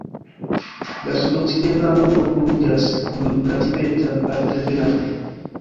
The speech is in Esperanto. La sudokcidenta angulo kuniĝas kun la Tibeta Altebenaĵo.